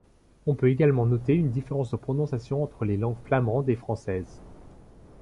On peut également noter une différence de prononciation entre les langues flamande et française.